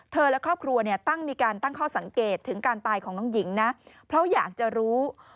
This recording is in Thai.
และครอบครัวเนี่ยตั้งมีการตั้งข้อสังเกตถึงการตายของน้องหญิงนะเพราะอยากจะรู้